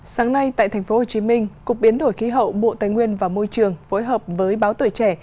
sáng nay tại tp hcm cục biến đổi khí hậu bộ tài nguyên và môi trường phối hợp với báo tuổi trẻ